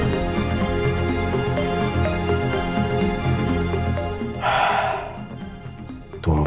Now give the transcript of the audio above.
pak pak ngeternyata ngeternyata ya jangan datung